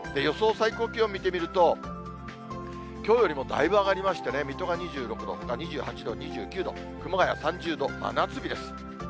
最高気温見てみると、きょうよりもだいぶ上がりましてね、水戸が２６度、ほか２８度、２９度、熊谷３０度、真夏日です。